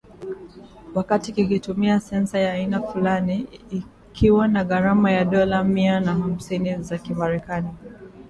wakati kikitumia sensa ya aina fulani, ikiwa na gharama ya dola mia na hamsini za kimerekani